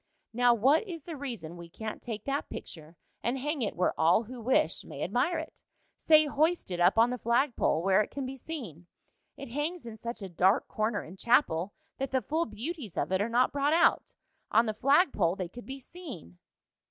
Now what is the reason we can't take that picture and hang it where all who wish may admire it? Say hoist it up on the flagpole, where it can be seen. It hangs in such a dark corner in chapel that the full beauties of it are not brought out. On the flagpole they could be seen."